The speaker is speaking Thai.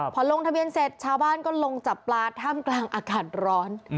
พอลงทะเบียนเสร็จชาวบ้านก็ลงจับปลาท่ามกลางอากาศร้อน